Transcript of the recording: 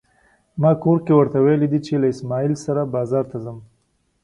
ما کور کې ورته ويلي دي چې له اسماعيل سره بازار ته ځم.